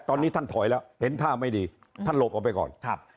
ตอนนี้ท่านถอยแล้วเห็นท่าไม่ดีท่านหลบออกไปก่อนครับ